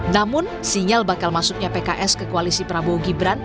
namun sinyal bakal masuknya pks ke koalisi prabowo gibran